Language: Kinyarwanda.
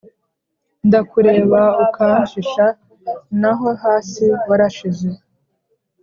Ndakureba ukanshisha naho hasi warashize.